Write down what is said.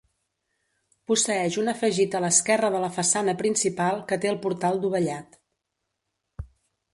Posseeix un afegit a l'esquerra de la façana principal que té el portal dovellat.